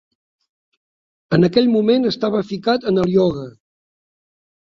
En aquell moment estava ficat en el ioga.